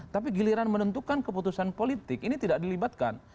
tapi giliran menentukan keputusan politik ini tidak dilibatkan